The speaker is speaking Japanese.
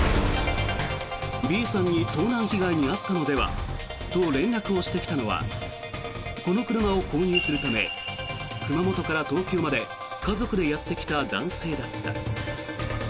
Ｂさんに盗難被害に遭ったのではと連絡をしてきたのはこの車を購入するため熊本から東京まで家族でやってきた男性だった。